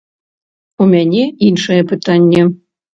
У мяне іншае пытанне.